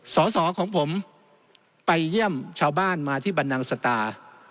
สอสอของผมไปเยี่ยมชาวบ้านมาที่บรรนังสตา